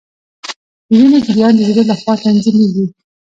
د وینې جریان د زړه لخوا تنظیمیږي